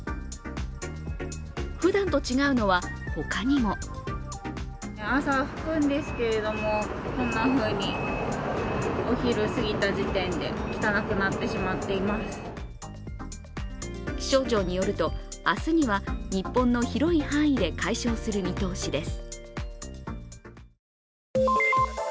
ふだんと違うのは、他にも気象庁によると、明日には日本の広い範囲で解消する見通しです。